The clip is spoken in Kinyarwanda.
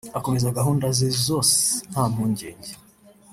akomeza gahunda ze zose nta mpungenge